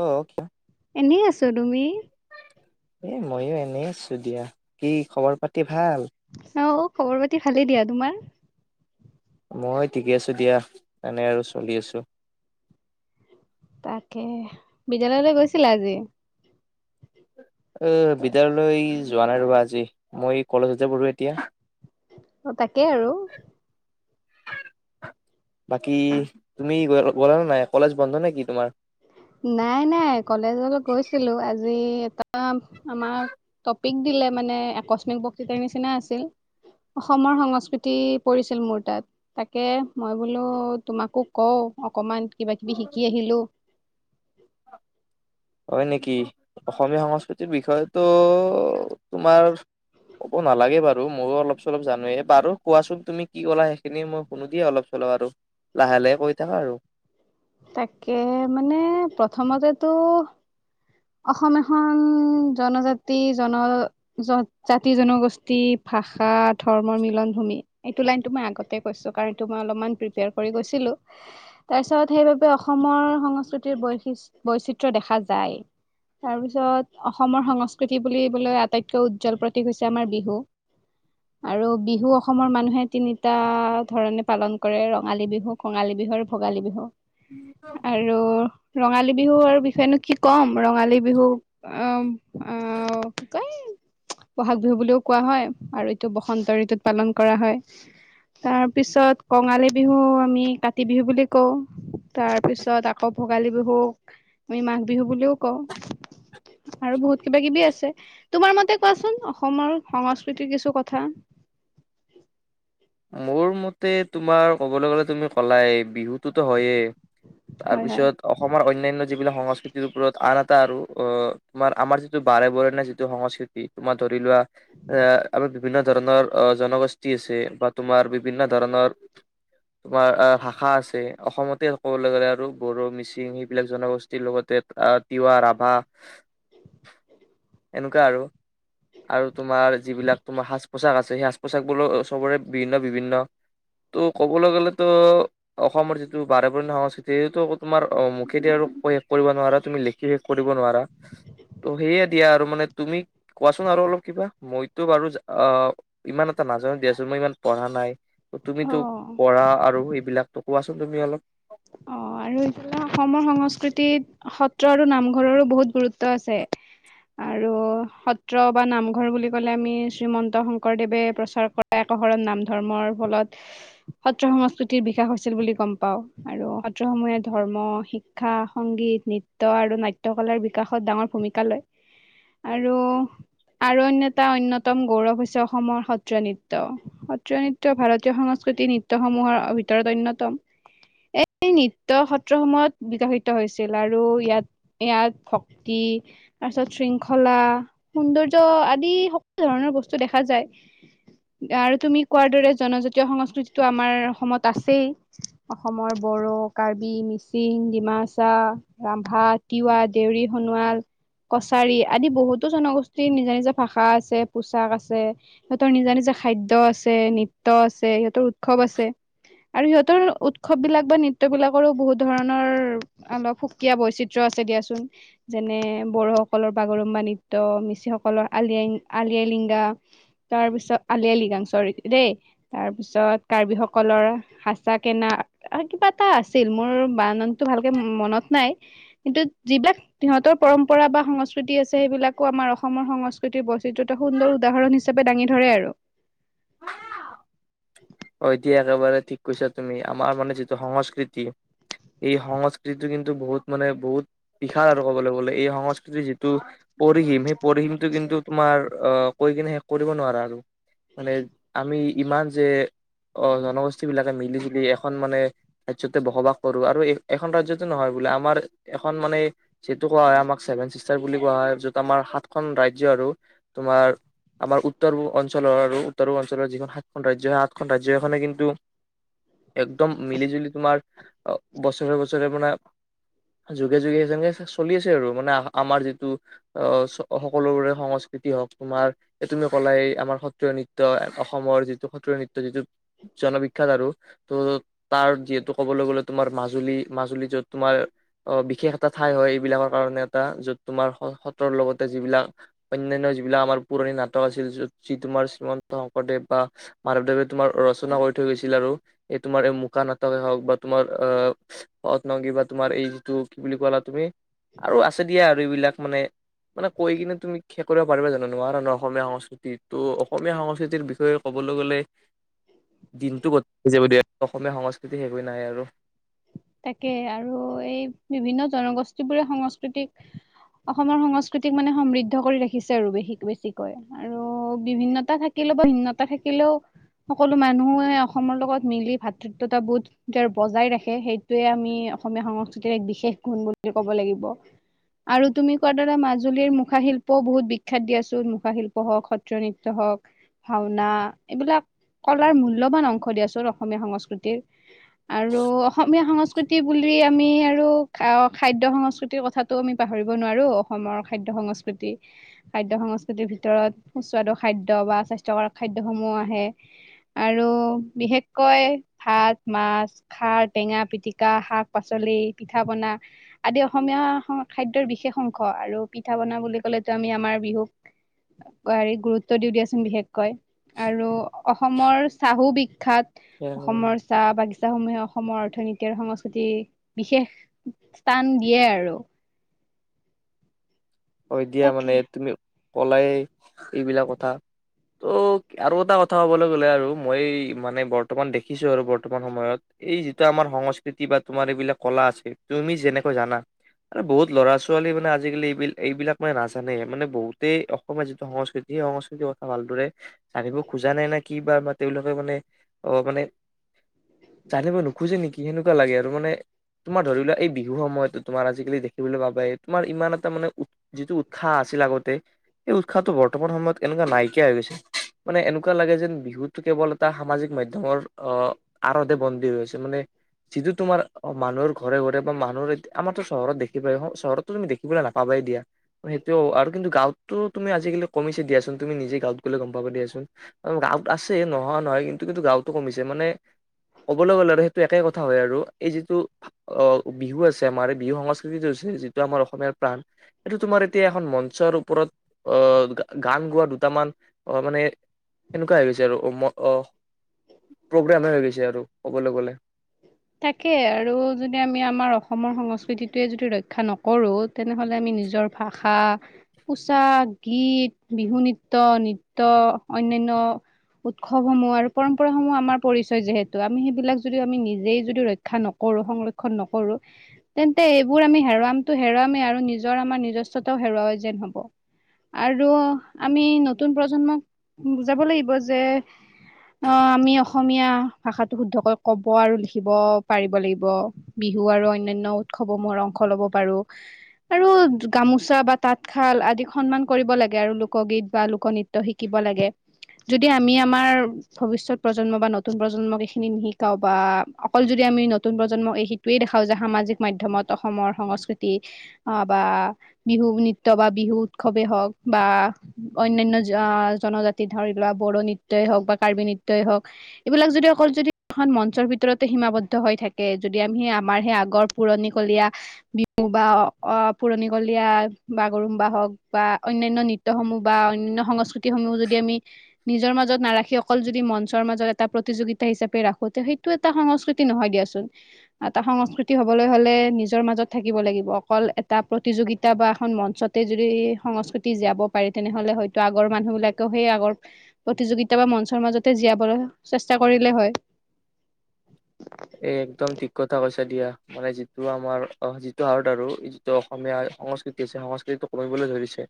অ কিয় এনেই আছো। তুমি? এ ময়ো এনেই আছো দিয়া। কি খবৰ পাতি ভাল? অ খবৰ পাতি ভালেই দিয়া। তোমাৰ? মই ঠিকে আছো দিয়া এনে আৰু চলি আছো। তাকে বিদ্যয়ালয়লৈ গৈছিলা আজি? অ বিদ্যালয়লৈ যোৱা নাই ৰবা, আজি মই কলেজতে পঢ়ো এতিয়া। অ, তাকে আৰু। [unintelligible] বাক কি তুমি গ-গ'লা নে নাই? কলেজ বন্ধ নেকি তোমাৰ? নাই-নাই কলেজল গৈছিলো আজি [unintelligible] আমাৰ টপিক দিলে মানে আকস্মিক বক্তৃতাৰ নিচিনা আছিল অসমৰ সংস্কৃতি পৰিছিল মোৰ তাত তাকে মই বোলো তোমাকো কওঁ অকমান কিবা -কিবি শিকি আহিলো [inaudible] হয় নেকি অসমীয়া সংস্কৃতিৰ বিষয়েতো তোমাৰ ক'ব নালাগে বাৰু ময়ো অলপ চলপ জানোৱেই বাৰু কোৱাচোন তুমি কি ক'লা সেইখিনি মই শুনো দিয়ে অলপ চলপ আৰু লাহে-লাহে কৈ থাকা আৰু। তাকেহে মানে প্ৰথমতেতো অসম এখন জনজাতি জন -জাতি, জনগোষ্ঠী, ভাষা, ধৰ্মৰ মিলন ভূমি এইটো লাইনটো মই আগতে কৈছো কাৰণ এইটো মই অলপমান প্ৰিপেয়াৰ কৰি গৈছিলো তাৰ পিছত সেইবাবে অসমৰ সংস্কৃতিৰ বৈচিত্ৰ দেখা যায় [inaudible] তাৰপিছত অসমৰ সংস্কৃতি বুলিবলৈ আটাইতকৈ উজ্জ্বল প্ৰতীক হৈছে আমাৰ বিহু আৰু বিহু অসমৰ মানুহে তিনিটা ধৰণে পালন কৰে ৰঙালী বিহু, কঙালী বিহু আৰু ভোগালী বিহু আৰু ৰঙালী বিহু আৰু বিষয়েনো কি ক'ম ৰঙালী বিহুক [unintelligible] বহাগ বিহু বুলিও কোৱা হয় আৰু এইটো বসন্ত ঋতুত পালন কৰা হয় তাৰপিছত কঙালী বিহু আমি কাতি বিহু বুলি কওঁ, তাৰপিছত আকৌ ভোগালী বিহুক আমি মাঘ বিহু বুলিও কও আৰু বহুত কিবা-কিবি আছে তোমাৰ মতে কোৱাচোন অসমৰ সংস্কৃতিৰ কিছু কথা মোৰ মতে তোমাৰ ক'বলৈ গ'লে তুমি ক'লাই বিহু তুটো হয়েই হয়, হয়। তাৰপিছত অসমৰ অন্যান্য যিবিলাক সংস্কৃতিৰ ওপৰত আন এটা আৰু অহ তোমাৰ আমাৰ যিটো বাৰে বাৰেণীয়া যিটো সংস্কৃতি তোমাৰ ধ। ধৰি লোৱা এ আমি। বিভিন্ন ধৰণৰ অ জনগোষ্ঠী আছে বাট তোমাৰ বিভিন্ন ধৰণৰ তোমা আ ভাষা আছে অসমতে ক'বলৈ গ'লে আৰু বড়ো মিচিং সেইবিলাক জনগোষ্ঠীৰ লগতে তিৱা ৰাভা এনেকুৱা আৰু আৰু তোমাৰ যিবিলাক তোমাৰ সাজ পোছাক আছে সেই সাজ পোছাক বোৰো চবৰে ভিন্ন বিভিন্ন ত' ক'বলৈ গ'লেতো অসমৰ যিটো বাৰে বৰণীয়া সংস্কৃতি সেইটো আকৌ তোমাৰ মুখেদি আৰু শেষ কৰিব নোৱাৰা তুমি লেখি শেষ কৰিব নোৱাৰা ত' সেয়ে দিয়া আৰু মানে তুমি কোৱাচোন আৰু অলপ কিবা মইতো বাৰু আ ইমান এটা নাজানো দিয়াচোন মই ইমান পঢ়া নাই ত তুমিতো অ', পঢ়া আৰু এইবিলাকত কোৱাচোন তুমি অলপ অ আৰু এইফালে অসমৰ সংস্কৃতিত সত্ৰ আৰু নামঘৰৰো বহুত গুৰুত্ব আছে আৰু সত্ৰ বা নামঘৰ বুলি কলে আমি শ্ৰীমন্ত শংকৰদেৱে প্ৰচাৰ কৰা একশৰণ নাম ধৰ্মৰ ফলত সত্ৰ সংস্কৃতিৰ বিকাশ হৈছিল বুলি গম পাওঁ আৰু সত্ৰসমূহে ধৰ্ম, শিক্ষা, সংগীত, নৃত্য আৰু নাট্য কলে বিকাশত ডাঙৰ ভূমিকা লয়। আৰু, আৰু অন্যটা অন্যতম গৌৰৱ হৈছে অসমৰ সত্ৰীয়া নৃত্য। সত্ৰীয়া নৃত্য ভাৰতীয় সংস্কৃতি নৃত্যসমূহৰ অ' ভিতৰত অন্যতম। এই নৃত্য সত্ৰসমূহত বিকশিত হৈছিল। আৰু ইয়াত, ইয়াত ভক্তি, তাৰপিছত শৃংখলা, সৌন্দৰ্য আদি সকলো ধৰণৰ বস্তু দেখা যায়। আৰু তুমি কোৱাৰ দৰে জনজাতীয় সংস্কৃতিটো আমাৰ অসমত আছেই। অসমৰ বড়ো, কাৰ্বি, মিচিং, ডিমাচা, ৰাভা, তিৱা, দেউৰী, সোণোৱাল কছাৰী আদি বহুতো জনগোষ্ঠীৰ নিজা নিজা ভাষা আছে, পোছাক আছে। সিহঁতৰ নিজা নিজা খাদ্য আছে, নৃত্য আছে, সিহঁতৰ উৎসৱ আছে আৰু সিহঁতৰ উৎসৱবিলাক বা, নৃত্যবিলাকৰো বহুত ধৰণৰ অলপ সুকীয়া বৈচিত্ৰ্য আছে দিয়াচোন। যেনে- বড়োসকলৰ বাগৰুম্বা নৃত্য, মিছিংসকলৰ আলি-আই, আলি-আই-লিংগা, তাৰ পিছত 'আলি-আই-লিগাং', চৰি দেই। তাৰপিছত কাৰ্বিসকলৰ হাচা-কেনা, আৰু কিবা এটা আছিল, মোৰ বানানটো ভালকে মনত নাই। কিন্তু যিবিলাক সিহঁতৰ পৰম্পৰা বা সংস্কৃতি আছে, সেইবিলাকো আমাৰ অসমৰ সংস্কৃতিৰ বৈচিত্ৰ্যটা সুন্দৰ উদাহৰণ হিচাপে দাঙি ধৰে আৰু। অ' এতিয়া একেবাৰে ঠিক কৈছা তুমি। আমাৰ মানে যিটো সংস্কৃতি, এই সংস্কৃতি কিন্তু বহুত মানে বহুত বিশাল আৰু ক'বলৈ গ'লে। এই সংস্কৃতি যিটো পৰিহিম সেই পৰিহিমটো কিন্তু তোমাৰ অ', কৈ কেনে শেষ কৰিব নোৱাৰা আৰু মানে আমি ইমান যে অ' জনগোষ্ঠীবিলাকে মিলি-জুলি এখন মানে ৰাজ্যতে বসবাস কৰোঁ। আৰু এই, এখন ৰাজ্যতে নহয় বোলে, আমাৰ এখন মানে যিটো কোৱা হয়, আমাক 'ছেভেন চিষ্টাৰ' বুলি কোৱা হয়, য'ত আমাৰ সাতখন ৰাজ্য আৰু, তোমাৰ আমাৰ উত্তৰ অঞ্চলৰ আৰু উত্তৰ অঞ্চলৰ যিখন সাতখন ৰাজ্য হে সা তখন ৰাজ্যখনে কিন্তু- একদম মিলি-জুলি তোমাৰ অ', বছৰে বছৰে মানে, যুগে যুগে যেনেকে চলি আছে আৰু মানে আহা আমাৰ যিটো, অহ, চ, আ সকলোৰে সংস্কৃতি হওক তোমাৰ, এই তুমি কলাই এই আমাৰ সত্ৰীয়া নৃত্য অসমৰ যিটো যিটো, জনবিখ্যাত আৰু। ত' তাৰ যিহেতু ক'বলৈ গ'লে তোমাৰ মাজুলী, মাজুলী য'ত তোমাৰ অহ' বিশেষ এটা ঠাই হয়। এইবিলাকৰ কাৰণে এটা য'ত তোমাৰ স-সত্ৰৰ লগতে যিবিলাক অন্যান্য যিবিলাক আমাৰ পুৰণি নাটক আছিল। য'ত যি তোমাৰ শ্ৰীমন্ত শংকৰদেৱ বা মাধৱদেৱে তোমাৰ ৰচনা কৰি থৈ গৈছিল আৰু। এই তোমাৰ এই মুকা নাটকে হওক বা তোমাৰ অ' পত্ন কিবা তোমাৰ এই যিটো। কি বুলি ক'লা তুমি? আৰু আছে দিয়া। ৰি বিলাক মানে, মানে কৈ কিনে তুমি শেষ কৰিব পাৰিবা জানো? নোৱাৰা ন, অসমীয়া সংস্কৃতি। ত' অসমীয়া সংস্কৃতিৰ বিষয়ে ক'বলৈ গ'লে দিনটো গট যেব দিয়া। অসমীয়া সংস্কৃতি শেষ হৈ নাহে আৰু। তাকে, আৰু এই বিভিন্ন জনগোষ্ঠীবোৰে সংস্কৃতিক অসমৰ সংস্কৃতিক মানে সমৃদ্ধ কৰি ৰাখিছে আৰু বেহি-বেছিকৈ। আৰু বিভিন্নতা থাকিলেও বা ভিন্নতা থাকিলেও সকলো মানুহে অসমৰ লগত মিলি ভাতৃত্বতাবোধ বজাই ৰাখে। সেই- টোয়ে আমি অসমীয়া সংস্কৃতিৰ এক বিশেষ গুণ বুলি ক'ব লাগিব। আৰু তুমি কোৱাৰ দৰে মাজুলীৰ মুখাশিল্পও বহুত বিখ্যাত দিয়াচোন। মুখাশিল্প হওক, সত্ৰীয়া নৃত্য হওক, ভাওনা, এইবিলাক কলাৰ মূল্যৱান অংশ দিয়াচোন অসমীয়া সংস্কৃতিৰ। আৰু অসম মীয়া সংস্কৃতি বুলি আমি আৰু খা অ' খাদ্য সংস্কৃতিৰ কথাটো আমি পাহৰিব নোৱাৰোঁ, অসমৰ খাদ্য সংস্কৃতি। খাদ্য সংস্কৃতিৰ ভিতৰত সুস্বাদু খাদ্য বা স্বাস্থ্যকাৰক খাদ্যসমূহ আহে। আৰু বিশেষকৈ ভাত, মাছ, খাৰ টেঙা, পিটিকা, শাক-পাচলি, পিঠা-পনা, আদি অসমীয়া শং খাদ্যৰ বিশেষ অংশ। আৰু পিঠা-পনা বুলি ক'লেটো আমি আমাৰ বিহুক হেৰি গুৰুত্ব দিওঁ দিয়াচোন বিশেষ। কৈ, আৰু অসমৰ চাহো বি খ্যাত, অসমৰ চাহ বাগিচাসমূহেও অসমৰ অৰ্থনীতি আৰু সংস্কৃতি বিশেষ স্থান দিয়ে আৰু। হয় দিয়া তাকে মানে তুমিও কলাই এইবিলাক কথা। ত' আৰু এটা কথা ক'বলৈ গ'লে আৰু মই মানে বৰ্তমান দেখিছোঁ আৰু বৰ্তমান সময়ত, এই যিটো আমাৰ সংস্কৃতি বা তোমাৰ এইবিলাক কলা আছে, তুমি যেনেকৈ জানা, আৰু বহুত ল'ৰা-ছোৱালী মানে আজিকালি এইবিল এইবিলাক মানে নাজানে। মানে বহুতেই অসমীয়া যিটো সংস্কৃতি, সেই সংস্কৃতিৰ কথা ভালদৰে জানিব খোজা নাই নে কি বা, বা তেওঁলোকে মানে, অ' মানে, জানিব নোখোঁজে নেকি সেনেকুৱা লাগে। আৰু মানে, তোমাৰ ধৰি লোৱা, এই বিহু সময়তো তোমাৰ আজিকালি দেখিবলৈ পাবাই তোমাৰ ইমান এটা মানে উৎ, যিটো উৎসাহ আছিল আগতে, সেই উৎসাহটো বৰ্তমান সময়ত এনেকুৱা নাইকিয়া হৈ গৈছে। মানে এনেকুৱা লাগে যেন বিহুটো কেৱল এটা সামাজিক মাধ্যমৰ অ' আঁৰতেই বন্দী হৈ আছে। মানে, যিটো তোমাৰ, মানুহৰ ঘৰে ঘৰে বা মানুহৰ এত, আমাৰতো চহৰত দেখি পাই, চহৰতো তুমি দেখিবলৈ না পাবাই দিয়া, সেইটোও। আৰু কিন্তু গাঁৱতো তুমি আজিকালি কমিছে দিয়াচোন, তুমি নিজে গাঁৱত গ'লে গম পাবা দিয়াচোন। আৰু গাঁৱত আছে নোহোৱা নহয়, কিন্তু কিন্তু গাঁৱতো কমিছে। মানে, ক'বলৈ গ'লে আৰু সেইটো একে কথা হয় আৰু। এই যিটো ভা অ' বিহু আছে আমাৰ এই বিহু সংস্কৃতিত আছে, যিটো আমাৰ অসমীয়াৰ প্ৰাণ। এইটো তোমাৰ এতিয়া এখন মঞ্চৰ ওপৰত, অ' গা-গান গোৱা দুটামান, অ' মানে, সেনেকুৱা হৈ গৈছে আৰু। অ', ম, অ', প্ৰ'গ্ৰামে হৈ গৈছে আৰু, ক'বলৈ গ'লে। তাকে আৰু যদি আমি আমাৰ অসমৰ সংস্কৃতিটোৱেই যদি ৰক্ষা নকৰোঁ, তেনেহ'লে আমি নিজৰ ভাষা, পোছাক, গীত, বিহু নৃত্য, নিত্য, অন্যান্য উৎসৱসমূহ আৰু পৰম্পৰাসমূহ আমাৰ পৰিচয় যিহেতু, আমি সেইবিলাক যদি আমি নিজেই যদি ৰক্ষা নকৰো সংৰক্ষণ নকৰো তেন্তে এইবোৰ আমি হেৰুৱামটো হেৰুৱামেই আৰু নিজৰ আমাৰ নিজস্বতাও হেৰুওৱা যেন হ'ব। আৰু আমি নতুন প্ৰজন্মক বুজাব লাগিব যে, অহ ', আমি অসমীয়া ভাষাটো শুদ্ধকৈ ক'ব আৰু লিখ খিব পাৰিব লাগিব, বিহু আৰু অন্যান্য উৎসৱসমূহৰ অংশ ল'ব পাৰো। আৰু য গামোচা বা তাতশাল আদি সন্মান কৰিব লাগে আৰু লোকগীত বা লোকনৃত্য শিকিব লাগে। যদি আমি আমাৰ ভৱিষ্যত প্ৰজন্ম বা নতুন প্ৰজন্মক এইখিনি নিশিকাও বা অকল যদি আমি নতুন প্ৰজন্মক এই সেইটোৱেই দেখাও যে সামাজিক মাধ্যমত অসমৰ সংস্কৃতি, অহ', বা, বিহু নৃত্য বা বিহু উৎসৱেই হওক বা অন্যান্য জ অহ ', জনজাতি ধৰ এইবিলাক বড়ো নৃত্যই হওক বা কাৰ্বি নৃত্যই হওক। এইবিলাক যদি অকল যদি খন মঞ্চৰ ভিতৰত তে সীমাবদ্ধ হৈ থাকে, যদি আম সি আমাৰ সেই আগৰ পুৰণিকলীয়া বিহু বা অহ', - অহ ', পুৰণিকলীয়া বাগৰুম্বা হওক বা অন্যান্য নৃত ত' সমূহ বা অন্যান্য সংস্কৃ তি সমূহ যদি আমি নিজৰ মাজত নাৰাখি, অকল যদি মঞ্চৰ মাজত এটা প্ৰতিযোগিতা হিচাপে ৰাখো, ত' সেইটো টা সংস্কৃতি নহয় দিয়াচোন। এটা সংস্কৃতি হ'বলৈ হ'লে নিজৰ মাজত থাকিব লাগিব। অকল এটা প্ৰতিযোগিতা বা এখন মঞ্চতে যদি সংস্কৃতি জীয়াব পাৰে, তেনেহ'লে হয়তো আগৰ মানুহবিলাকেও সেই আগৰ প্ৰতিযোগিতা বা মঞ্চৰ মাজতে জীয়াবলৈ চেষ্টা কৰিলে হয়। এ একদম ঠিক কথা কৈছা দিয়া। মানে যিটো আমাৰ অহ', যিটো আৰ্ট আৰু যিটো অসমীয়া সংস্কৃতি হৈছে, সংস্কৃতিটো কমিবলৈ ধৰিছে।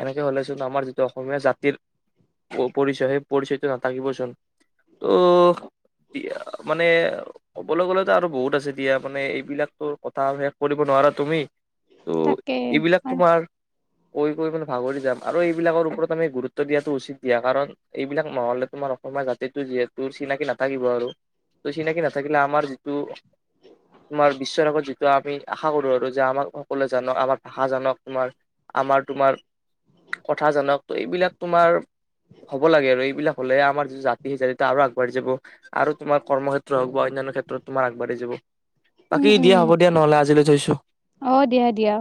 এনেকে হ'লেচোন আমাৰ যিটো অসমীয়া জাতিৰ পৰিচয়, সেই পৰিচয়টো নাথাকিবইচোন। ত' ইয়া মানে ক'বলৈ গ'লেতো আৰু বহুত আছে দিয়া, মানে এইবিলাক ত' কথা শেষ কৰিব নোৱাৰা তুমি। ত' তাকে এইবিলাক তোমাৰ কৈ - কৈ মানে ভাগৰি যাম আৰু এইবিলাকৰ ওপৰত আমি গুৰুত্ব দিয়াটো উচিত দিয়া কাৰণ এইবিলাক নহ'লে তোমাৰ অসমীয়া জাতিটো যিহেতু চিনাকি নাথাকিব আৰু। ত'চিনাকি নাথাকিলে আমাৰ ত' তোমাৰ বিশ্বৰ আগত যিটো আমি আশা কৰো আৰু যে আমাক সকলোৱে জানক আমাৰ ভাষা জানক তোমাৰ আমাৰ তোমাৰ কথা জানক, এইবিলাক তোমাৰ হ'ব লাগে আৰু এইবিলাক হ'লে আমাৰ জাতি সেই জাতিটো আৰু আগবাঢ়ি যাব আৰু তোম কৰ্মক্ষেত্ৰ হওক বা অন্য ক্ষেত্ৰত তোমাৰ আগবাঢ়ি যাব। উম বাকী উম দিয়া হ'ব দিয়া নহ'লে আজিলৈ থৈছো। অ দিয়া দিয়া